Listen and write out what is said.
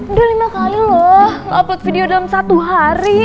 udah lima kali loh upload video dalam satu hari